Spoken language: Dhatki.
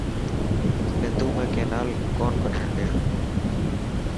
سنڌو ۾ ڪينال ڪون ڪڍڻ ڏيا.